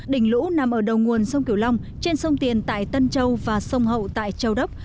đỉnh lũ nằm ở đầu nguồn sông kiểu long trên sông tiền tại tân châu và sông hậu tại châu đốc